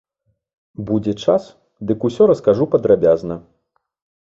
Будзе час, дык усё раскажу падрабязна.